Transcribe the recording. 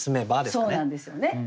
そうなんですよね。